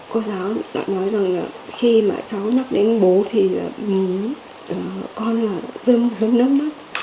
cô giáo đã nói rằng là khi mà cháu nhắc đến bố thì con là rơm rớm nước mắt